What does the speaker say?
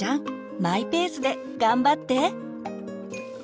マイペースで頑張って！